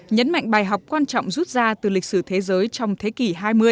nhấn mạnh bài học quan trọng rút ra từ lịch sử thế giới trong thế kỷ hai mươi